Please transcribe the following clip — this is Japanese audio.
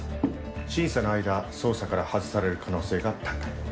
審査の間捜査から外される可能性が高い。